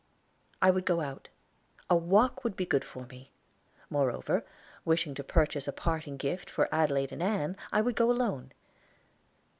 I would go out; a walk would be good for me. Moreover, wishing to purchase a parting gift for Adelaide and Ann, I would go alone.